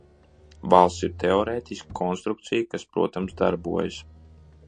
Valsts ir teorētiska konstrukcija, kas, protams, darbojas.